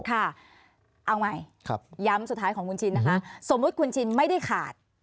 เอาใหม่ย้ำสุดท้ายของคุณชินนะคะสมมุติคุณชินไม่ได้ขาด